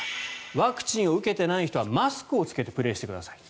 ワクチンを受けていない人はマスクを着けてプレーしてください